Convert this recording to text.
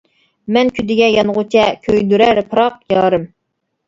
مەن كۈدىگە يانغۇچە، كۆيدۈرەر پىراق، يارىم.